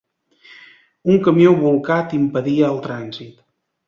Un camió bolcat impedia el trànsit.